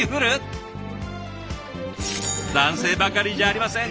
男性ばかりじゃありません。